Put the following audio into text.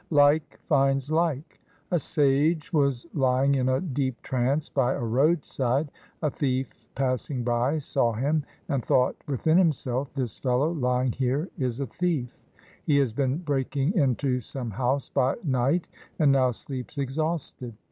LIKE FINDS LIKE A sage was lying in a deep trance by a roadside. A thief passing by saw him and thought within himself, " This fellow, lying here, is a thief. He has been breaking into some house by night and now sleeps exhausted.